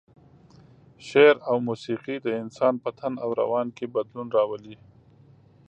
شعر او موسيقي د انسان په تن او روان کې بدلون راولي.